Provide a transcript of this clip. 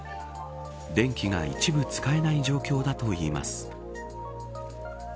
電気が一部使えない状況だといいます。